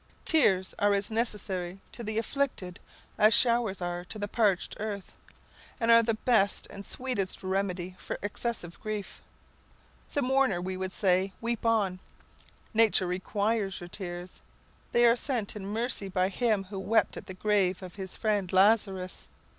Tears are as necessary to the afflicted as showers are to the parched earth, and are the best and sweetest remedy for excessive grief. To the mourner we would say Weep on; nature requires your tears. They are sent in mercy by Him who wept at the grave of his friend Lazarus.